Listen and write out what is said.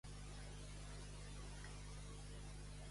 Es tracta d'un partit anticapitalista que no és convencional.